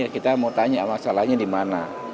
kita mau tanya masalahnya di mana